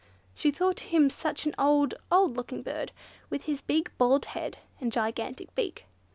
She thought him such an old, old looking bird, with his big bald head, and gigantic beak.